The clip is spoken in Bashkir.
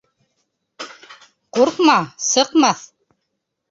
— Ҡурҡма, сыҡмаҫ.